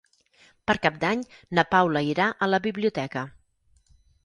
Per Cap d'Any na Paula irà a la biblioteca.